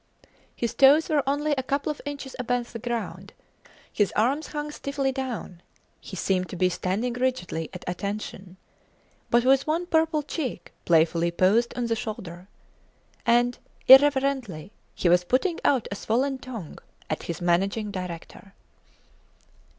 His toes were only a couple of inches above the ground; his arms hung stiffly down; he seemed to be standing rigidly at attention, but with one purple cheek playfully posed on the shoulder. And, irreverently, he was putting out a swollen tongue at his Managing Director.